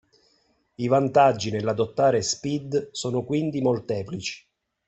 I vantaggi nell’adottare SPID sono quindi molteplici